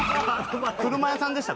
車屋さんでした？